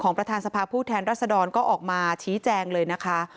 ประธานสภาพผู้แทนรัศดรก็ออกมาชี้แจงเลยนะคะ